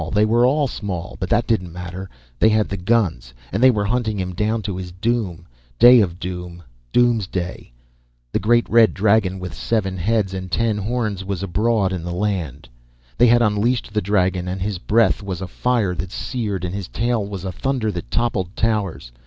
They were all small, but that didn't matter. They had the guns and they were hunting him down to his doom. Day of doom. Doomsday. The great red dragon with seven heads and ten horns was abroad in the land. They had unleashed the dragon and his breath was a fire that seared, and his tail was a thunder that toppled towers.